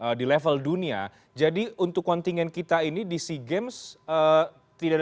target yang lebih besarnya adalah di level dunia jadi untuk kontingen kita ini di si games tidak